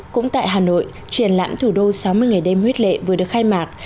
cũng tại hà nội triển lãm thủ đô sáu mươi ngày đêm huyết lệ vừa được khai mạc